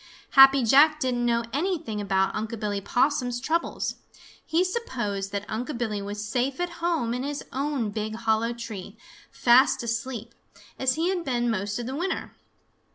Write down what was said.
Happy Jack didn't know anything about Unc' Billy Possum's troubles. He supposed that Unc' Billy was safe at home in his own big hollow tree, fast asleep, as he had been most of the winter.